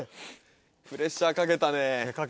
プレッシャーかけたね。